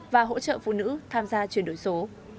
và hỗ trợ phụ nữ tham gia chuyển đổi số